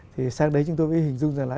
thì sang đấy chúng tôi mới hình dung ra là